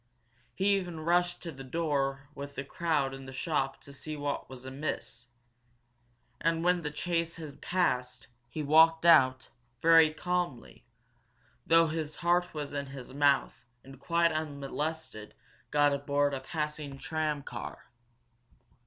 He even rushed to the door with the crowd in the shop to see what was amiss! And, when the chase had passed, he walked out, very calmly, though his heart was in his mouth, and quite unmolested got aboard a passing tram car.